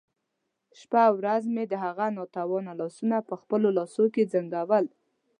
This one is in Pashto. شپه او ورځ مې د هغه ناتوانه لاسونه په خپلو لاسو کې زنګول.